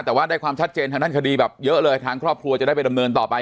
แต่ว่าได้ความชัดเจนทางด้านคดีแบบเยอะเลยทางครอบครัวจะได้ไปดำเนินต่อไป